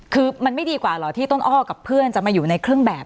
คือมันไม่ดีกว่าเหรอที่ต้นอ้อกับเพื่อนจะมาอยู่ในเครื่องแบบ